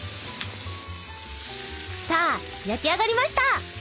さあ焼き上がりました！